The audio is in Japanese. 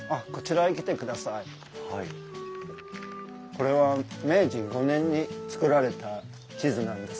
これは明治５年に作られた地図なんです。